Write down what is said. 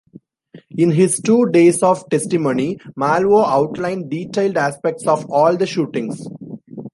In his two days of testimony, Malvo outlined detailed aspects of all the shootings.